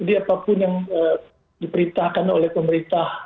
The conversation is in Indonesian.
jadi apapun yang diperintahkan oleh pemerintah